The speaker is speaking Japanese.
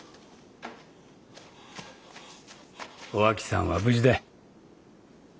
おあきさんは無事だ。